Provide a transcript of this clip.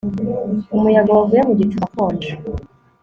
Umuyaga wavuye mu gicu urakonja